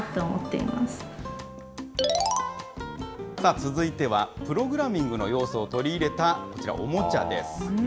続いては、プログラミングの要素を取り入れたおもちゃです。